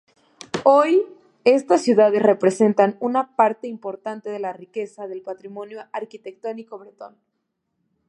Hoy estas ciudades representan una parte importante de la riqueza del patrimonio arquitectónico bretón.